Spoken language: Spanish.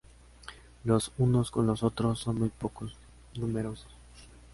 Los unos como los otros son muy poco numerosos.